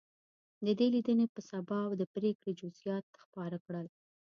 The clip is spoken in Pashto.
د دې لیدنې په سبا د پرېکړې جزییات خپاره کړل.